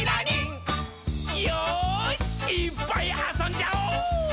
よーし、いーっぱいあそんじゃお！